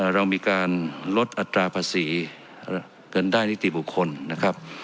เรามีการลดอัตราภาษีเงินได้นิติบุคคลนะครับ